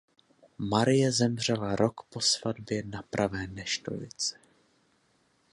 Marie zemřela rok po svatbě na pravé neštovice.